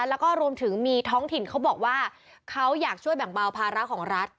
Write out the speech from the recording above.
แล้วก็รวมถึงมีท้องถิ่นเขาบอกว่าเขาอยากช่วยแบ่งเบาภาระของรัฐ